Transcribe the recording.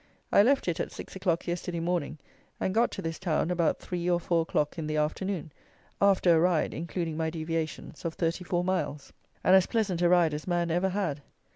I left it at six o'clock yesterday morning, and got to this town about three or four o'clock in the afternoon, after a ride, including my deviations, of 34 miles; and as pleasant a ride as man ever had.